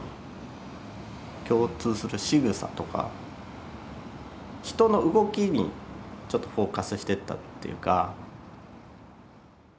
共通するしぐさとか人の動きにちょっとフォーカスしてったっていうか。